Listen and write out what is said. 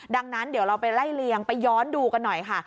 ดังนั้นเดี๋ยวเราไปไล่เลียงไปย้อนดูกันหน่อยค่ะ